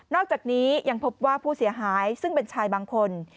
อกจากนี้ยังพบว่าผู้เสียหายซึ่งเป็นชายบางคน